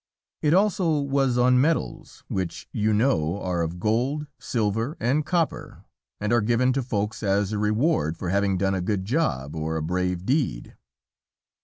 It also was on medals, which, you know, are of gold, silver, and copper, and are given to Folks as a reward for having done a good or a brave deed.